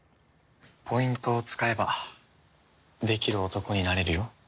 ポイントを使えばできる男になれるよ。